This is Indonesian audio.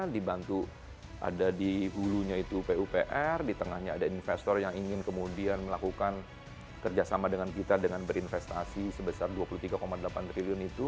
dibantu ada di hulunya itu pupr di tengahnya ada investor yang ingin kemudian melakukan kerjasama dengan kita dengan berinvestasi sebesar dua puluh tiga delapan triliun itu